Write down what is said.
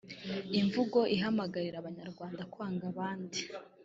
imvugo ihamagarira Abanyarwanda kwanga abandi